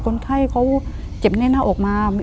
คนไข้เขาเจ็บแน่นหน้าอกมา